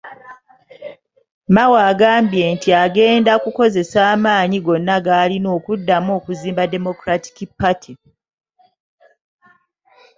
Mao agambye nti agenda kukozesa amaanyi gonna g'alina okuddamu okuzimba Democratic Party.